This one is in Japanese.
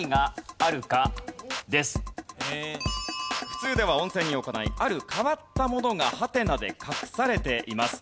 普通では温泉に置かないある変わったものがハテナで隠されています。